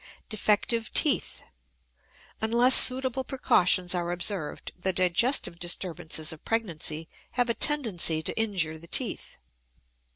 DEFECTIVE TEETH. Unless suitable precautions are observed, the digestive disturbances of pregnancy have a tendency to injure the teeth.